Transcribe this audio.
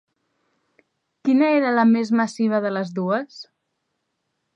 Quina era la més massiva de les dues?